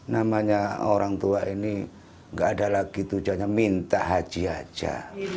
namanya orang tua ini nggak ada lagi tujuannya minta haji aja